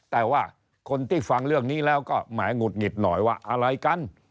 แต่ว่าคนที่ฟังเรื่องนี้แล้วก็แหมหงุดหงิดหน่อยว่าอะไรกัน